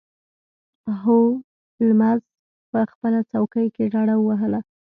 هولمز په خپله څوکۍ کې ډډه ووهله.